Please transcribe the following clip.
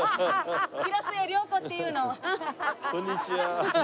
こんにちは。